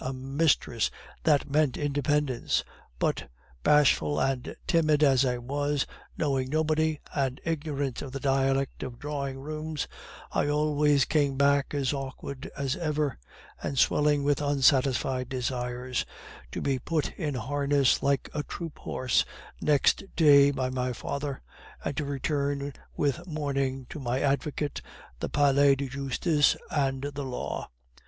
A mistress! that meant independence. But bashful and timid as I was, knowing nobody, and ignorant of the dialect of drawing rooms, I always came back as awkward as ever, and swelling with unsatisfied desires, to be put in harness like a troop horse next day by my father, and to return with morning to my advocate, the Palais de Justice, and the law.